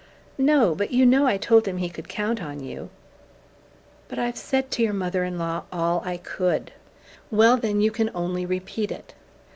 "No. But you know I told him he could count on you." "But I've said to your mother in law all I could." "Well, then you can only repeat it."